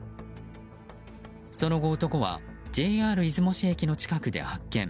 その後、男はＪＲ出雲市駅の近くで発見。